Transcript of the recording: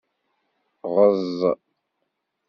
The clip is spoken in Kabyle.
Ɣeẓẓ.